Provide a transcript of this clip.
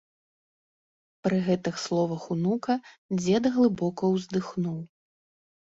Пры гэтых словах унука дзед глыбока ўздыхнуў.